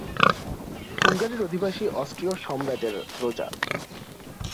হুঙ্গারির অধিবাসী অষ্ট্রীয় সম্রাটের প্রজা।